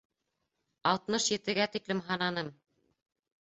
Алтмыш етегә тиклем һананым.